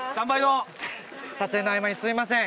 撮影の合間にすいません